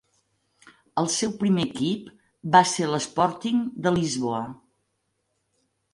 El seu primer equip va ser l'Sporting de Lisboa.